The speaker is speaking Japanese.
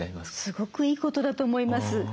すごくいいことだと思います。